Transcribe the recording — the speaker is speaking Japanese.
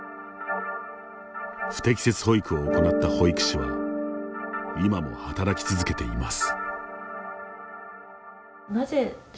不適切保育を行った保育士は今も働き続けています。